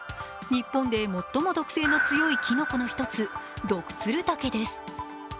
日本で最も毒性の強いきのこの一つ、ドクツルタケです。